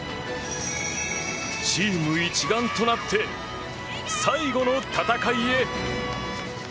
チーム一丸となって最後の戦いへ。